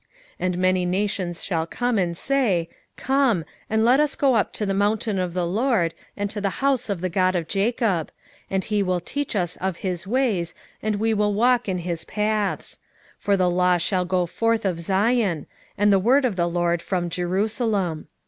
4:2 And many nations shall come, and say, Come, and let us go up to the mountain of the LORD, and to the house of the God of Jacob; and he will teach us of his ways, and we will walk in his paths: for the law shall go forth of Zion, and the word of the LORD from Jerusalem.